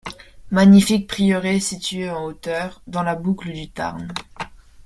Magnifique prieuré situé en hauteur, dans la boucle du Tarn.